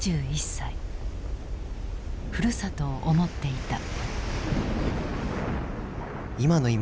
ふるさとを思っていた。